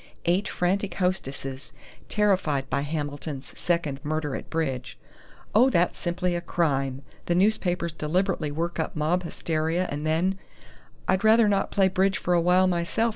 Eight frantic hostesses, terrified by Hamilton's second murder at bridge ' Oh, that's simply a crime! The newspapers deliberately work up mob hysteria and then " "I'd rather not play bridge for a while myself!"